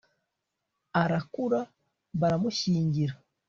arakura baramushyingira